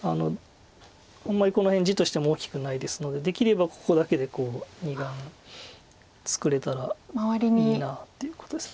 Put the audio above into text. あんまりこの辺地としても大きくないですのでできればここだけで２眼作れたらいいなっていうことです。